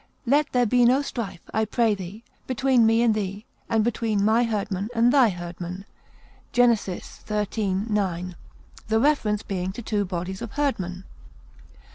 "Let there be no strife, I pray thee, between me and thee, and between my herdmen and thy herdmen," Gen. xiii, 9; the reference being to two bodies of herdmen.